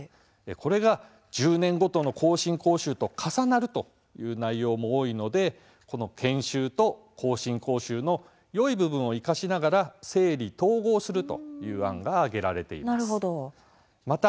これは、１０年ごとの更新講習と重なるという内容も多いのでこの研修と更新講習のいい部分を生かしながら整理・統合するという案が挙げられていました。